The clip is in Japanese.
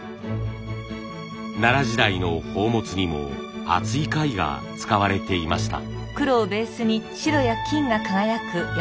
奈良時代の宝物にも厚い貝が使われていました。